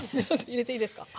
入れていいですか？